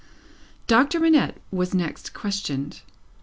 Doctor Manette was next questioned.